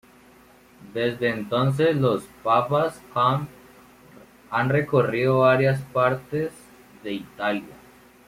Desde entonces, los papas han recorrido varias partes de Italia.